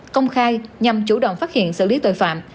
công khai nhằm chủ động phát hiện xử lý tội phạm